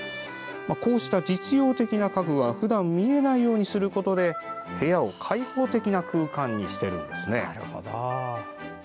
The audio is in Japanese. こうした実用的な家具はふだん見えないようにすることで部屋を開放的な空間にしています。